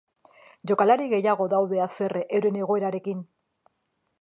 Jokalari gehiago daude haserre euren egoerarekin.